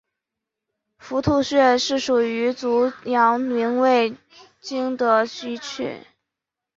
伏兔穴是属于足阳明胃经的腧穴。